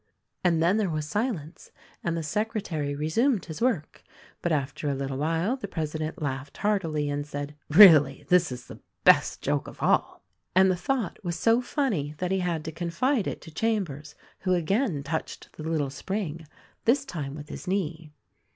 And then there was silence, and the secretary resumed his work ; but after a little while the president laughed heart ily and said, "Really, this is the best joke of all." And the thought was so funny that he had to confide it to Chambers ; who again touched the little spring — this time with his knee.